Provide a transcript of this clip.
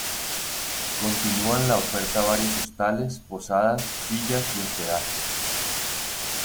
Continúan la oferta varios hostales, Posadas, Villas y hospedajes.